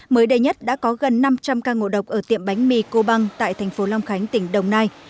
mới đây nhất đã có gần năm trăm linh ca ngộ độc ở tiệm bánh mì cô băng tại thành phố long khánh tỉnh đồng nai